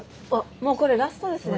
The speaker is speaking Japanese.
もうこれラストですね